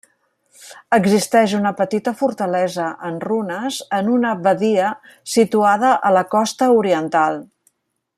Existeix una petita fortalesa en runes en una badia situada a la costa oriental.